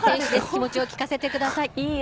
気持ちを聞かせてください。